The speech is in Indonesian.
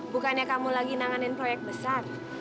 bukannya kamu lagi nanganin proyek besar